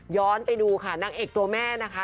ไปดูค่ะนางเอกตัวแม่นะคะ